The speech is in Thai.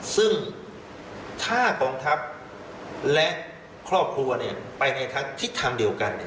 ซึ่งท่ากองทัพและครอบครัวเนี่ยไปในทิศทางเดียวกันเนี่ย